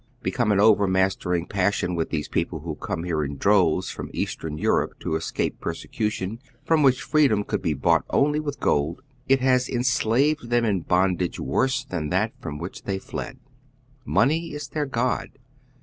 Become an over mastering passion with these people who eome here oy Google JBWTOWH. 107 in droves from Eastern Europe to escape persecution, from wiiieh freedom could be bought only with gold, it lias enslaved them in bondage worse than that from which tliey fled. Money is their God.